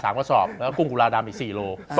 กระสอบแล้วก็กุ้งกุลาดำอีก๔โล